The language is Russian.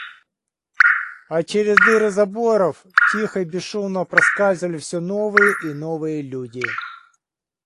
А через дыры заборов тихо и бесшумно проскальзывали все новые и новые люди.